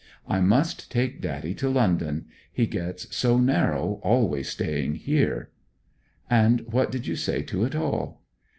I must take daddy to London; he gets so narrow always staying here.' 'And what did you say to it all?'